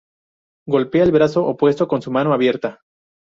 Golpea el brazo opuesto con su mano abierta.